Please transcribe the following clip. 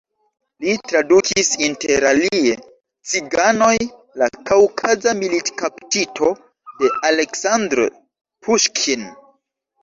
Li tradukis interalie: "Ciganoj" kaj "Kaŭkaza militkaptito" de Aleksandr Puŝkin.